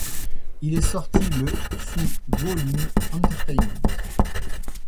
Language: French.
Il est sorti le sous Woollim Entertainment.